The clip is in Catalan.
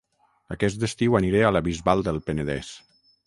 Aquest estiu aniré a La Bisbal del Penedès